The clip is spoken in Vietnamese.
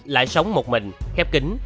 lại sống một mình khép kính